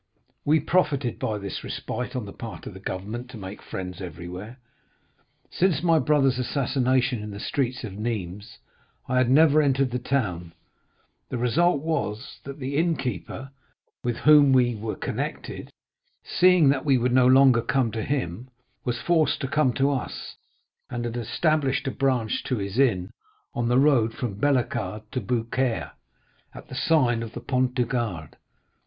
We profited by this respite on the part of the government to make friends everywhere. Since my brother's assassination in the streets of Nîmes, I had never entered the town; the result was that the innkeeper with whom we were connected, seeing that we would no longer come to him, was forced to come to us, and had established a branch to his inn, on the road from Bellegarde to Beaucaire, at the sign of the Pont du Gard.